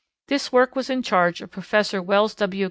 This work was in charge of Professor Wells W.